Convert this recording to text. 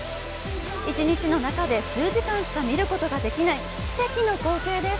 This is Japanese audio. １日の中で数時間しか見ることができない奇跡の光景です。